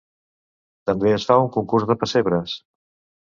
També es fa un concurs de pessebres.